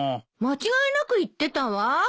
間違いなく言ってたわ。